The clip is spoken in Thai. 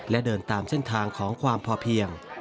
และเดินตามเส้นทางของความพอเพียง